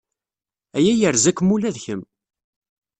Aya yerza-kem ula d kemm.